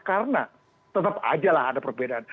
karena tetap aja lah ada perbedaan